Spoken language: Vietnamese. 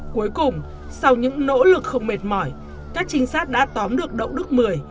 cuối cùng sau những nỗ lực không mệt mỏi các trinh sát đã tóm được đậu đức mười